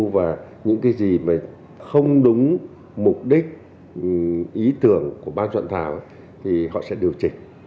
và những cái gì mà không đúng mục đích ý tưởng của ban soạn thảo thì họ sẽ điều chỉnh